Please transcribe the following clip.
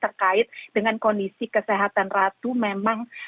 terkait dengan kondisi kesehatan ratu memang